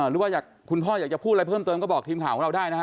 หรือว่าคุณพ่ออยากจะพูดอะไรเพิ่มเติมก็บอกทีมข่าวของเราได้นะฮะ